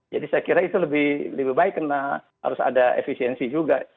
jadi saya kira itu lebih baik karena harus ada efisiensi juga